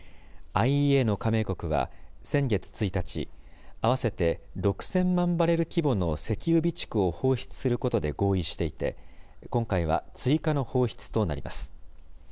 ＩＥＡの加盟国は、先月１日、合わせて６０００万バレル規模の石油備蓄を放出することで合意していて、今回は追加の放出となります。